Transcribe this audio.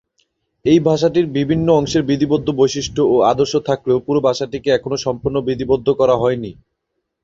এই ভাষাটির বিভিন্ন অংশের বিধিবদ্ধ বৈশিষ্ট্য ও আদর্শ থাকলেও পুরো ভাষাটিকে এখনো সম্পূর্ণ বিধিবদ্ধ করা হয়নি।